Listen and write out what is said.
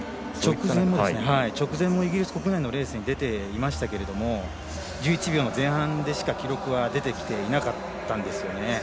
直前もイギリス国内のレースに出ていましたけれども１１秒の前半でしか記録は出ていなかったんですね。